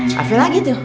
hafe lagi tuh